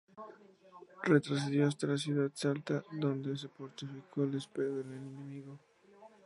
Retrocedió hasta la ciudad de Salta, donde se fortificó a la espera del enemigo.